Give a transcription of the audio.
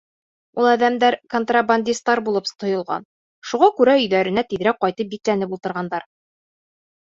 Ул әҙәмдәр контрабандистар булып тойолған, шуға күрә өйҙәренә тиҙерәк ҡайтып бикләнеп ултырғандар.